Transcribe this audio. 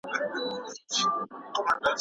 کوچنۍ سپوږمۍ د لمر شاوخوا له ځمکې سره چورلېږي.